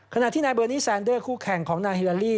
ขณะที่นายเบอร์นี่แซนเดอร์คู่แข่งของนายฮิลาลี่